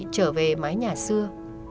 trở về mái nhà xưa